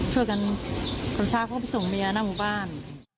ช่วยกันพระบาทเขาก็ไปส่งเมียหน้าหมู่บ้าน